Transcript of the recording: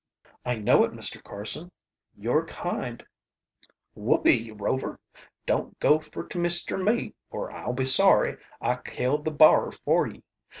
"I know it, Mr. Carson. Your kind " "Whoopee, Rover, don't go fer to mister me, or I'll be sorry I killed the bar for ye.